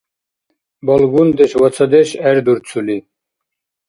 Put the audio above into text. Балгундеш ва цадеш гӏердурцули